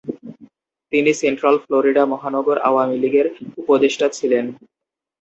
তিনি Central Florida মহানগর আওয়ামী লীগের উপদেষ্টা ছিলেন।